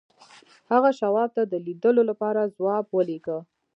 هغه شواب ته د لیدلو لپاره ځواب ولېږه